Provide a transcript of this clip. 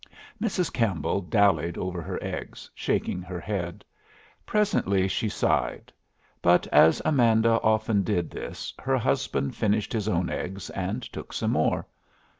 Mrs. Campbell dallied over her eggs, shaking her head. Presently she sighed. But as Amanda often did this, her husband finished his own eggs and took some more.